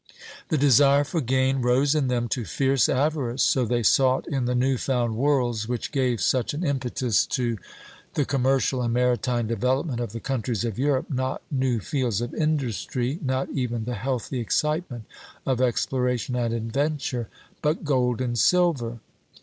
The desire for gain rose in them to fierce avarice; so they sought in the new found worlds which gave such an impetus to the commercial and maritime development of the countries of Europe, not new fields of industry, not even the healthy excitement of exploration and adventure, but gold and silver.